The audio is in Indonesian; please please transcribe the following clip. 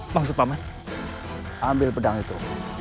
bang supaman ambil pedang itu